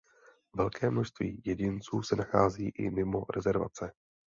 Velké množství jedinců se nachází i mimo rezervace.